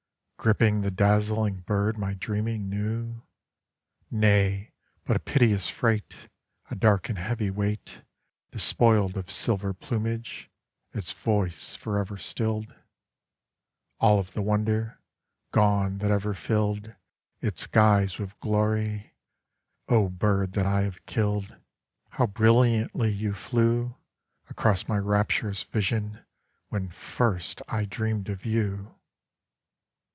—Gripping the dazzling bird my dreaming knew? Nay! but a piteous freight,A dark and heavy weightDespoiled of silver plumage, its voice forever stilled—All of the wonderGone that ever filledIts guise with glory. O bird that I have killed, How brilliantly you flewAcross my rapturous vision when first I dreamed of you!